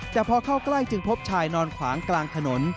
แต่พอเข้าใกล้จึงพบชายนอนขวางกลางถนน